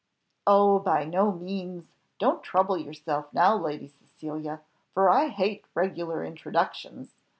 "Oh! by no means; don't trouble yourself now, Lady Cecilia, for I hate regular introductions.